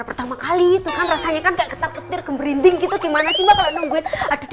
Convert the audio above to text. pertama kali itu kan rasanya kan kayak ketar ketir gembrinding gitu gimana sih mbak kalau nungguin aduh